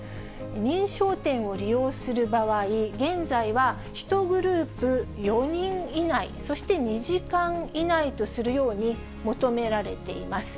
認証店を利用する場合、現在は１グループ４人以内、そして、２時間以内とするように求められています。